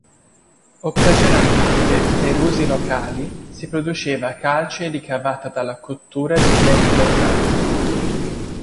Occasionalmente, per usi locali, si produceva calce ricavata dalla cottura di pietre locali.